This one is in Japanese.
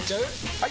・はい！